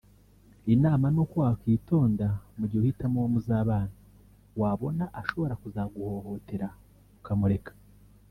inama nuko wakwitonda mu gihe uhitamo uwo muzabana wabona ashobora kuzaguhohotera ukamureka